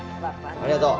ありがとう。